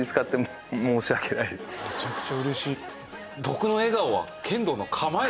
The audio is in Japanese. めちゃくちゃ嬉しい。